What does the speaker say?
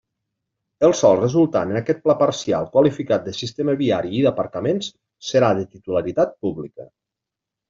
El sòl resultant en aquest Pla parcial qualificat de sistema viari i d'aparcaments, serà de titularitat pública.